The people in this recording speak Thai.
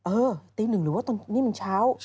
อุ๊ยตี๑หรือว่าตอนนี้มันเช้า